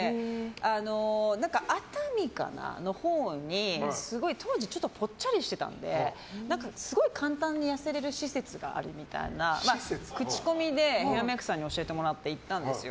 熱海のほうに、すごい当時ぽっちゃりしていたのですごい簡単に痩せれる施設があるみたいな口コミでヘアメイクさんに教えてもらって行ったんですよ。